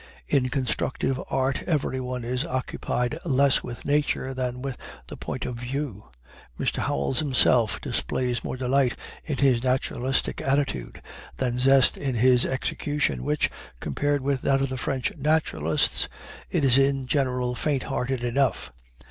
In constructive art everyone is occupied less with nature than with the point of view. Mr. Howells himself displays more delight in his naturalistic attitude than zest in his execution, which, compared with that of the French naturalists, is in general faint hearted enough.